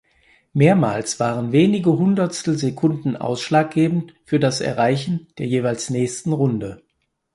Mehrmals waren wenige Hundertstelsekunden ausschlaggebend für das Erreichen der jeweils nächsten Runde.